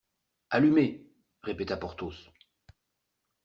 Allumez, répéta Porthos.